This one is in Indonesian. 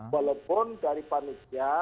walaupun dari panitia